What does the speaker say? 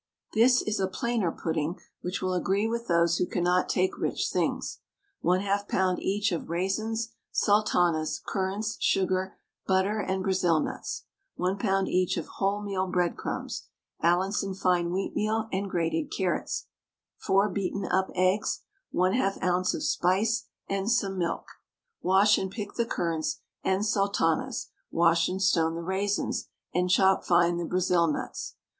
This is a plainer pudding, which will agree with those who cannot take rich things. 1/2 lb. each of raisins, sultanas, currants, sugar, butter, and Brazil nuts. 1 lb. each of wholemeal breadcrumbs, Allinson fine wheatmeal, and grated carrots; 4 beaten up eggs, 1/2 oz. of spice, and some milk. Wash and pick the currants and sultanas, wash and stone the raisins, and chop fine the Brazil nuts.